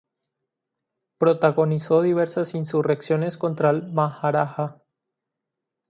Protagonizó diversas insurrecciones contra el Maharaja.